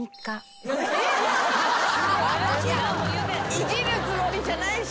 いじるつもりじゃないし。